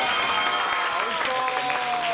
おいしそう！